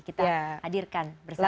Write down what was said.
kita hadirkan bersama